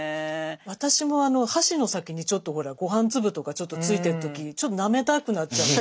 私も箸の先にちょっとほらご飯粒とかちょっとついてる時ちょっとなめたくなっちゃう。